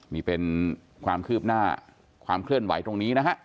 นี่เป็นความคืบหน้าความเคลื่อนไหวตรงนี้นะฮะ